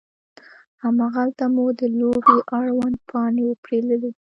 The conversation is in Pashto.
هماغلته مو د لوبې اړوند پاڼې وپیرلې.